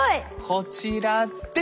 こちらです！